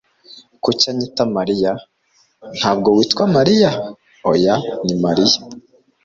Kuki anyita Mariya?" "Ntabwo witwa Mariya?" "Oya, ni Mariya."